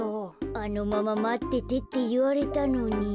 あのまままっててっていわれたのに。